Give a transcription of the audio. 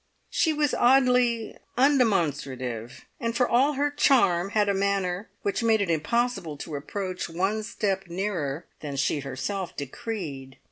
She was oddly undemonstrative, and for all her charm had a manner which made it impossible to approach one step nearer than she herself decreed.